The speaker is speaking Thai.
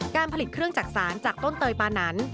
การผลิตเครื่องจักษานจากต้นเตยปานัน